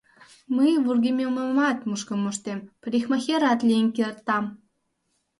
Мый вургемемымат мушкын моштем, парикмахерат лийын кертам.